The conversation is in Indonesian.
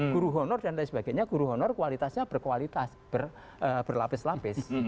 guru honor dan lain sebagainya guru honor kualitasnya berkualitas berlapis lapis